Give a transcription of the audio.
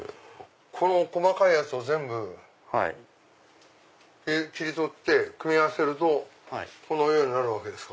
この細かいやつを全部切り取って組み合わせるとこのようになるわけですか。